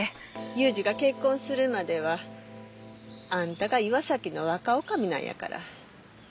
裕二が結婚するまではあんたが岩崎の若女将なんやから。